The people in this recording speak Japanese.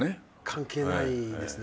関係ないですね。